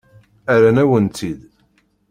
Rran-awen-tt-id.